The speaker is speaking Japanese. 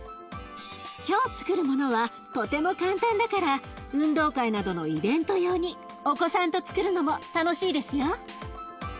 今日つくるものはとても簡単だから運動会などのイベント用にお子さんとつくるのも楽しいですよ。